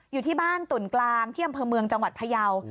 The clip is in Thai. อยู่ที่บ้านตุ่นกลางที่อำเภอเมืองจังหวัดพยาว